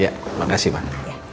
ya makasih mak